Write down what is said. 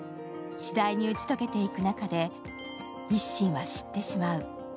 次第に打ち解けていく中で一心は知ってしまう。